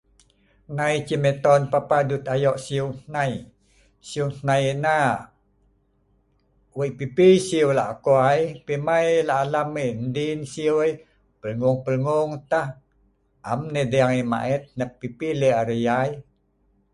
Nai ceh meton papah dut ayok siu hnai. Siu hnai ena, weik pipi siu lako ai, pi mai lalam ai, ndin siu ai belngung- belngung tah, am nah edeng ai maeet hnep pipi lek arai yai